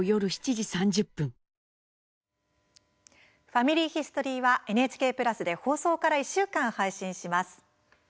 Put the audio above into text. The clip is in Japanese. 「ファミリーヒストリー」は、ＮＨＫプラスで放送から１週間配信します。